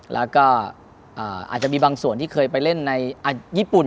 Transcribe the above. แล้วก็อาจจะมีบางส่วนที่เคยไปเล่นในญี่ปุ่น